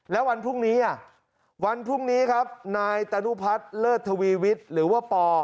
แล้ววันพรุ่งนี้วันพรุ่งนี้ครับนายตานุพัฒน์เลิศทวีวิทย์หรือว่าปอ